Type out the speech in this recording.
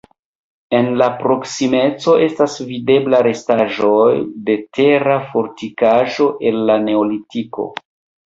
En la proksimeco estas videbla restaĵoj de tera fortikaĵo el la neolitiko.